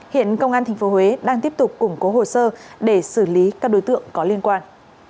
hiện công an tp huế đang tiếp tục củng cố hồ sơ để xử lý các đối tượng có liên quan